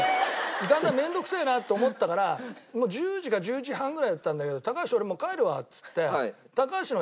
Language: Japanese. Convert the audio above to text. だんだん面倒くせえなって思ったから１０時か１０時半ぐらいだったんだけど「高橋俺もう帰るわ」っつって高橋の部屋を僕出たんですよ。